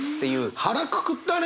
腹くくったね。